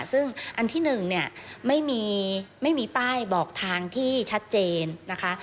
ซึ่งอันที่๑เนี่ยไม่มีป้ายบอกทางที่ชัดเจนนะคะ